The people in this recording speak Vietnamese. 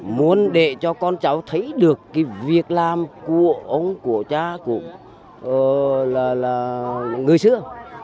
muốn để cho con cháu thấy được cái việc làm của ông của cha của là người xưa